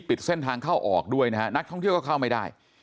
ปิดเส้นทางเข้าออกด้วยนะฮะนักท่องเที่ยวก็เข้าไม่ได้